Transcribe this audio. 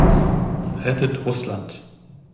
Rettet Russland!